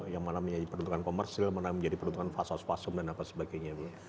yang mana menjadi peruntukan komersil mana menjadi peruntungan fasos fasum dan apa sebagainya bu